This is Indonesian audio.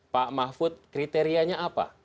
pak mahfud kriterianya apa